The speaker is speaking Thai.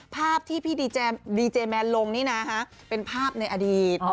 ภาพที่พี่ดีเจแมนลงนี่นะฮะเป็นภาพในอดีต